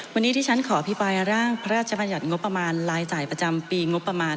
วันนี้ที่ฉันขออภิปรายร่างพระราชบัญญัติงบประมาณรายจ่ายประจำปีงบประมาณ